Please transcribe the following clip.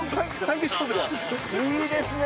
いいですね。